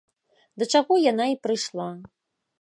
Да чаго яна і прыйшла.